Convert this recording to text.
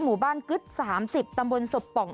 หมู่บ้านกึ๊ด๓๐ตำบลศพป่อง